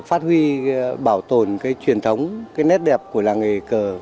phát huy bảo tồn truyền thống nét đẹp của làng nghề cờ